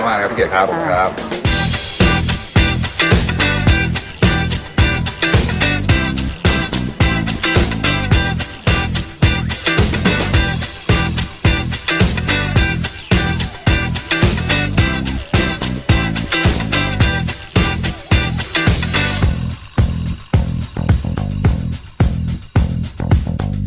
วันนี้ขอบคุณมากมากครับพี่เกดครับครับ